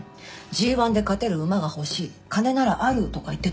「ＧⅠで勝てる馬が欲しい」「金ならある」とか言ってたみたい。